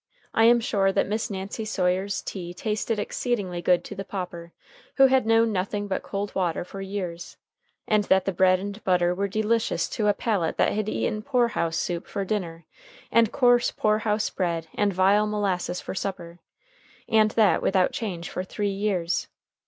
I am sure that Miss Nancy Sawyer's tea tasted exceedingly good to the pauper, who had known nothing but cold water for years, and that the bread and butter were delicious to a palate that had eaten poor house soup for dinner, and coarse poor house bread and vile molasses for supper, and that without change for three years.